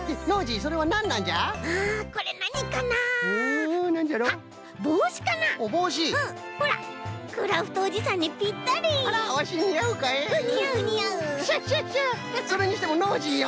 それにしてもノージーよ